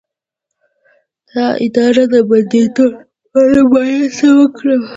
د ادرار د بندیدو لپاره باید څه وکړم؟